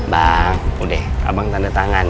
bang udah deh abang tanda tangan ya